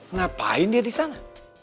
ngapain dia disana